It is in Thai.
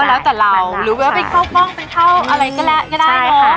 ก็แล้วแต่เราหรือว่าเป็นข้าวป้องเป็นข้าวอะไรก็ได้เนอะ